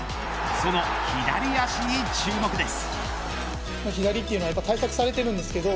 その左足に注目です。